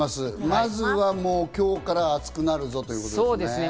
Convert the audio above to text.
まずは今日から暑くなるぞということですね。